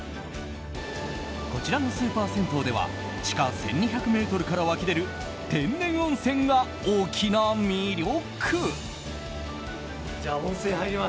こちらのスーパー銭湯では地下１２００ｍから湧き出る天然温泉が大きな魅力！